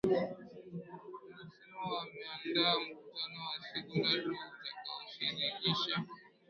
anasema wameandaa mkutano wa siku tatu utakao shirikisha